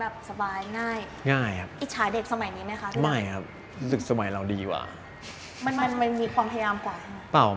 แบบนี้แบบสบายง่ายอิฉาเด็กสมัยนี้มั้ยคะดูด้วยครับอเรนนี่ต้องแล้วครับ